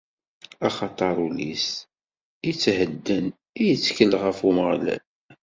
Axaṭer ul-is ithedden, ittkel ɣef Umeɣlal.